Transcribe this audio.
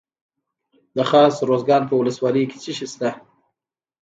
د خاص ارزګان په ولسوالۍ کې څه شی شته؟